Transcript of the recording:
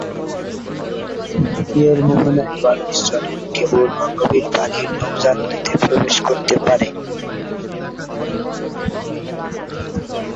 এর মোহনায় বালুর চরের কেবল অগভীর পানির নৌযান নদীতে প্রবেশ করতে পারে।